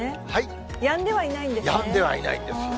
やんではいないんですね。